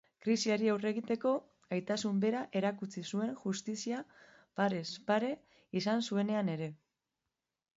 Krisiari aurre egiteko gaitasun bera erakutsi zuen justizia parez pare izan zuenean ere.